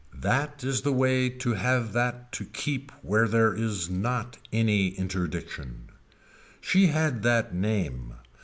That is the way to have that to keep where there is not any interdiction. She had that name.